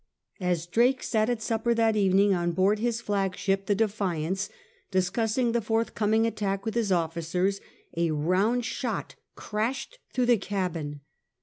As Drake sat at supper that evening on board his flag ship the Defixince discussing the forthcoming attack with his officers, a round shot crashed through the cabin.